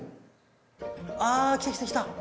あ来た来た来た。